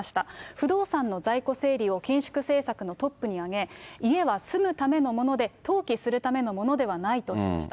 不動産の在庫整理を緊縮政策のトップに挙げ、家は住むためのもので、投機するためのものではないとしました。